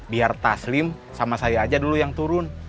biar taslim sama saya aja dulu yang turun